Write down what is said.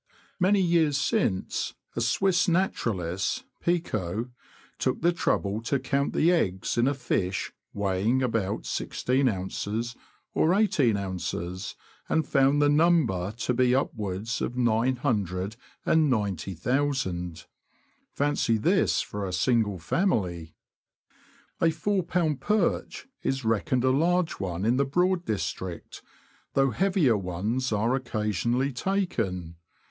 Many years since, a Swiss naturalist, Picot, took the trouble to count the eggs in a fish weighing about i6oz. or i8oz., and found the number to be upwards of 990,000. Fancy this for a single family ! A 41b. perch is reckoned a large one in the Broad district, though heavier ones are occasionally taken.